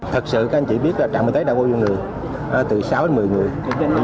thật sự các anh chị biết là trạm y tế đã vô dụng người từ sáu đến một mươi người